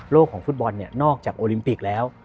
ของฟุตบอลเนี่ยนอกจากโอลิมปิกแล้ว